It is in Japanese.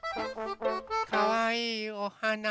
かわいいおはな。